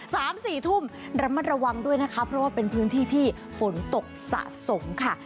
สามสี่ทุ่มระมัดระวังด้วยนะคะเพราะว่าเป็นพื้นที่ที่ฝนตกสะสมค่ะ